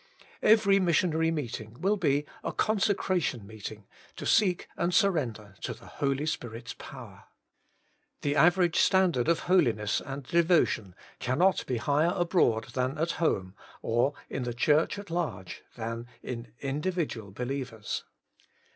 Every missionary meeting will be a consecration meeting to seek and surrender to the Holy Spirit's power. 3. The average standard of holiness and devo tion cannot be higher abroad than at home, or in the Church at large than in individual believers.